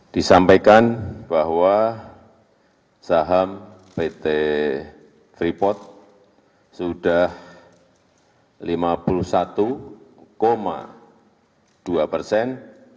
disampaikan bahwa saham pt freeport sudah lima puluh satu dua persen